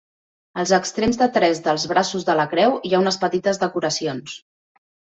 Als extrems de tres dels braços de la creu hi ha unes petites decoracions.